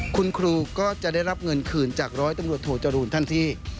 คุณครูก็จะได้รับเงินคืนจากร้อยตำรวจโทจรูนทันที